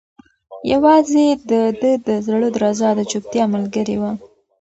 یوازې د ده د زړه درزا د چوپتیا ملګرې وه.